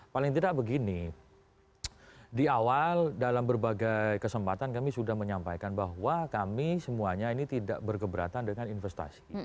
paling tidak begini di awal dalam berbagai kesempatan kami sudah menyampaikan bahwa kami semuanya ini tidak berkeberatan dengan investasi